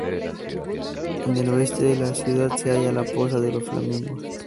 En el oeste de la ciudad se halla la Poza de los Flamingos.